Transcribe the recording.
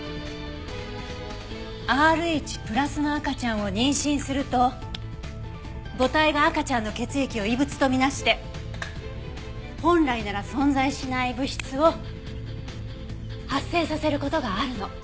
Ｒｈプラスの赤ちゃんを妊娠すると母体が赤ちゃんの血液を異物と見なして本来なら存在しない物質を発生させる事があるの。